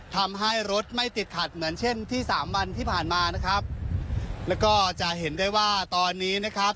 ทำให้รถไม่ติดขัดเหมือนเช่นที่สามวันที่ผ่านมานะครับแล้วก็จะเห็นได้ว่าตอนนี้นะครับ